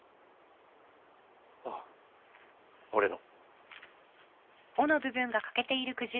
ああ俺の。